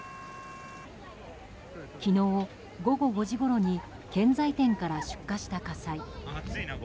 昨日、午後５時ごろに建材店から出火した火災。